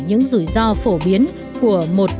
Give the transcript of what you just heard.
những rủi ro phổ biến của một